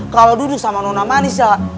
kalau duduk sama nona manis ya